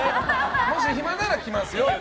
もし暇なら来ますよって。